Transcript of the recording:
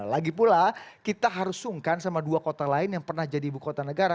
lagi pula kita harus sungkan sama dua kota lain yang pernah jadi ibu kota negara